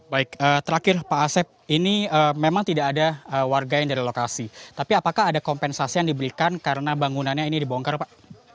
baik terakhir pak asep ini memang tidak ada warga yang dari lokasi tapi apakah ada kompensasi yang diberikan karena bangunannya ini dibongkar pak